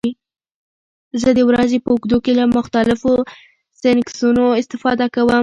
زه د ورځې په اوږدو کې له مختلفو سنکسونو استفاده کوم.